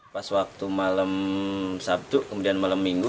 pas waktu malam sabtu kemudian malam minggu